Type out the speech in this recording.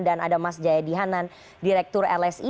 dan ada mas jayadi hanan direktur lsi